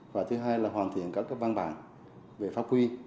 và thứ hai là hoàn thiện các văn bản về pháp quy